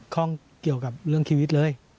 ข้องเกี่ยวกับเรื่องชีวิตเลย